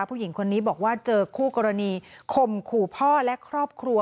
ผู้หญิงคนนี้บอกว่าเจอคู่กรณีข่มขู่พ่อและครอบครัว